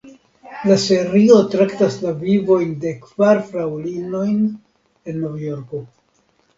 La serio traktas la vivojn de kvar fraŭlinoj en Novjorko.